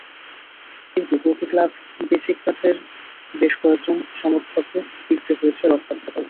কিন্তু তুর্কি ক্লাব বেসিকতাসের বেশ কয়েকজন সমর্থককে ফিরতে হয়েছে রক্তাক্ত হয়ে।